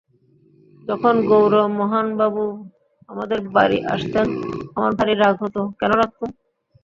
যখন গৌরমোহনবাবু আমাদের বাড়ি আসতেন আমার ভারি রাগ হত—কেন রাগতুম?